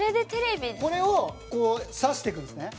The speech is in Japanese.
品川：これを挿していくんですね。